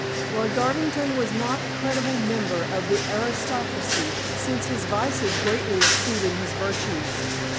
Lord Garvington was not a creditable member of the aristocracy, since his vices greatly exceeded his virtues.